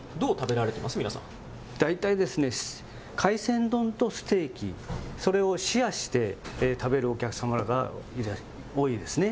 大体ですね、海鮮丼とステーキ、それをシェアして食べるお客様が多いですね。